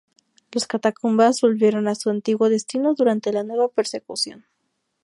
Las catacumbas volvieron a su antiguo destino durante la nueva persecución.